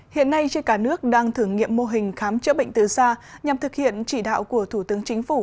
hiện nay trên cả nước đang thử nghiệm mô hình khám chữa bệnh từ xa nhằm thực hiện chỉ đạo của thủ tướng chính phủ